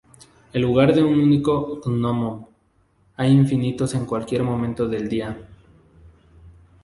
En lugar de un único gnomon, hay infinitos en cualquier momento del día.